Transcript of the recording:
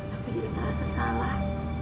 aku jadi ngerasa salah